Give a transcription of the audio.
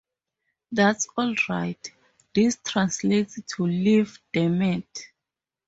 That's all right!" this translates to "Leave dammit".